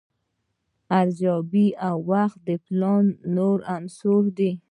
ارزیابي او وخت د پلان نور عناصر دي.